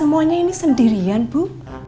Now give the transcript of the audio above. semuanya ini sendirian bu